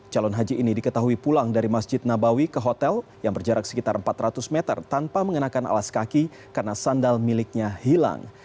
calon haji ini diketahui pulang dari masjid nabawi ke hotel yang berjarak sekitar empat ratus meter tanpa mengenakan alas kaki karena sandal miliknya hilang